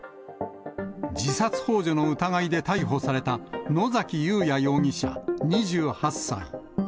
自殺ほう助の疑いで逮捕された、野崎祐也容疑者２８歳。